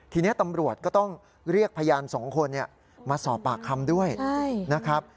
ทีนี้ตำรวจก็ต้องเรียกพยาน๒คนมาสอบปากคำด้วยนะครับ